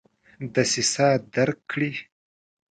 دسیسه درک کړي.